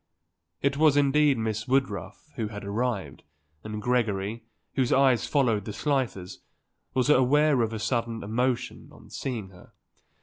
It was indeed Miss Woodruff who had arrived and Gregory, whose eyes followed the Slifers', was aware of a sudden emotion on seeing her.